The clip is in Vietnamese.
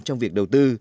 trong việc đầu tư